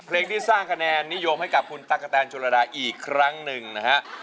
เพลงที่สร้างคะแนนนิยมให้กับคุณตั๊กกะแตนชนระดาอีกครั้งหนึ่งนะฮะ